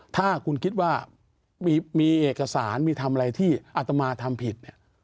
ถ้าคุณคิดว่ามีเอกสารมีทำอะไรที่อัตมาทำผิดเนี่ย